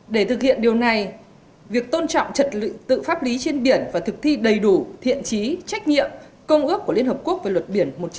để thực hiện điều này việc tôn trọng trật lựu tự pháp lý trên biển và thực thi đầy đủ thiện trí trách nhiệm công ước của liên hợp quốc về luật biển một nghìn chín trăm tám mươi hai là thiết yếu